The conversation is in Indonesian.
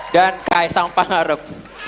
dan kaisang pangarup